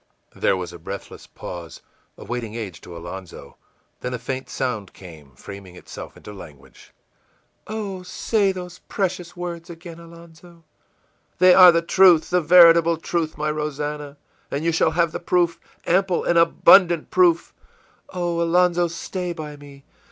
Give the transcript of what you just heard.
î There was a breathless pause, a waiting age to Alonzo; then a faint sound came, framing itself into language: ìOh, say those precious words again, Alonzo!î ìThey are the truth, the veritable truth, my Rosannah, and you shall have the proof, ample and abundant proof!î ìOh; Alonzo, stay by me!